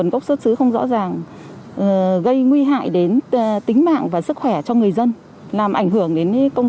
khoảng gần ba tỷ đồng